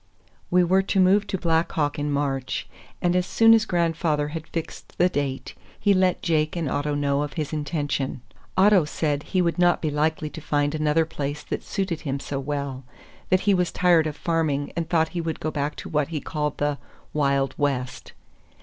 We were to move to Black Hawk in March, and as soon as grandfather had fixed the date he let Jake and Otto know of his intention. Otto said he would not be likely to find another place that suited him so well; that he was tired of farming and thought he would go back to what he called the "wild West."